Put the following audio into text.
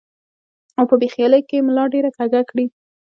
او پۀ بې خيالۍ کښې ملا ډېره کږه کړي ـ